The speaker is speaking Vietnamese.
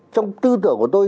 trong tư tưởng của tôi